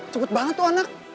cepet banget tuh anak